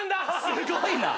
すごいな。